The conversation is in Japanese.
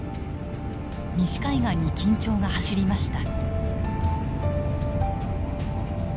西海岸に緊張が走りました。